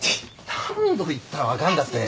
何度言ったら分かるんだって。